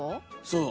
そう。